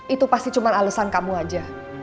itu pasti cuma alasan kamu aja